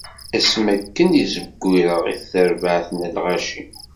Asmi akken i zewwireɣ i terbaɛt n lɣaci.